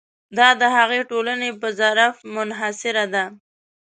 دا د همغې ټولنې په ظرف منحصره ده.